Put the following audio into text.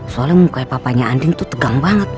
soalnya mukanya papanya anding tuh tegang banget